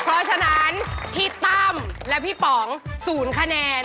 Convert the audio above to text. เพราะฉะนั้นพี่ตั้มและพี่ป๋อง๐คะแนน